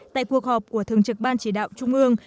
tại cuộc họp của thường trực ban chỉ đạo trung ương